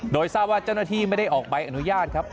โดยทราบ๑๙๗๔ไม่ได้ออกใบอนุญาตครับ